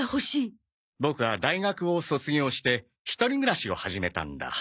ボクは大学を卒業して一人暮らしを始めたんだ。